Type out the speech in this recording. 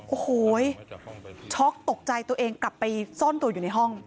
โอ้โหช็อกตกใจตัวเองกลับไปซ่อนตัวอยู่ในห้อง